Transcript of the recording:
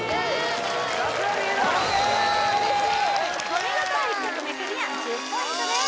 お見事１曲目クリア１０ポイントです